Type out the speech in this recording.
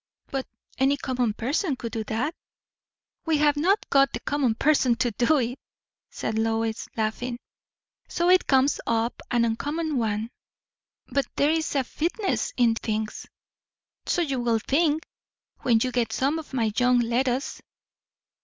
"But any common person could do that?" "We have not got the common person to do it," said Lois, laughing; "so it comes upon an uncommon one." "But there is a fitness in things." "So you will think, when you get some of my young lettuce."